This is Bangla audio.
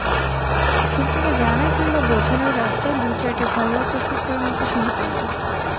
শিল্পীকে জানা কিংবা বোঝানোর রাস্তা দু-চারটে ঘরোয়া প্রশ্নোত্তরের মধ্যে সীমিত নেই।